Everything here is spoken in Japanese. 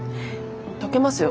とけますよ